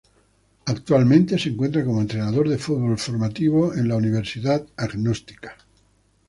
Actualmente se encuentra como entrenador de Fútbol formativo en Universidad Católica.